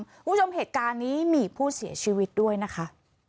คุณผู้ชมเหตุการณ์นี้มีผู้เสียชีวิตด้วยนะคะ